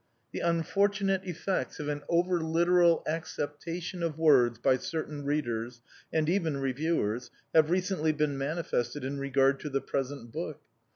The unfortunate effects of an over literal acceptation of words by certain readers and even Reviewers have recently been manifested in regard to the present book.